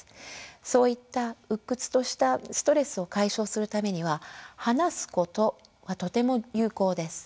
そういった鬱屈としたストレスを解消するためには「話すこと」はとても有効です。